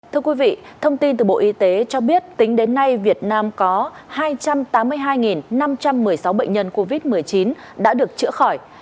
thưa quý vị thông tin từ bộ y tế cho biết tính đến nay việt nam có hai trăm tám mươi hai năm trăm một mươi sáu bệnh nhân covid một mươi chín đã được chữa khỏi